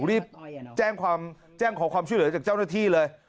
รีบแจ้งขอความช่วยเหลือจากเจ้าหน้าที่เลย